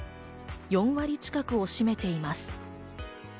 ４割近くを占めています。